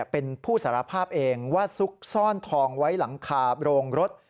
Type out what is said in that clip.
เป็นผู้สารภาพเองว่าซุกซ่อนทองไว้หลังคาโรงรถ